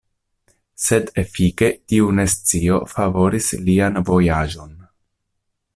Sed efike tiu nescio favoris lian vojaĝon.